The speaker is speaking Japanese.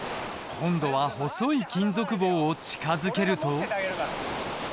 今度は細い金属棒を近づけると。